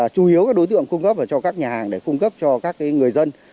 chủ yếu các đối tượng cung cấp cho các nhà hàng để cung cấp cho các người dân